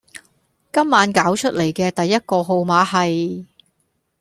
今晚攪出黎嘅第一個號碼係